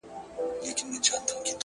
ته د رنگونو د خوبونو و سهار ته گډه!